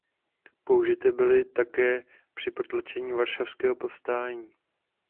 Použity byly také při potlačení Varšavského povstání.